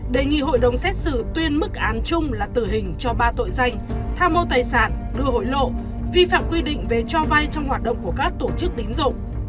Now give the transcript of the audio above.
đề nghị hội đồng xét xử tuyên mức án chung là tử hình cho ba tội danh tham mô tài sản đưa hối lộ vi phạm quy định về cho vay trong hoạt động của các tổ chức tín dụng